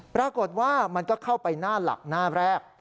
ปรากฏว่ามันก็เข้าไปหน้าหลักหน้าแรก